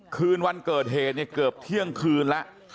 คืนวันเกิดเหตุเนี่ยเกือบเที่ยงคืนแล้ว